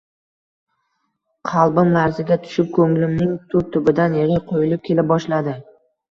Qalbim larzaga tushib, koʻnglimning tub-tubidan yigʻi quyulib kela boshladi.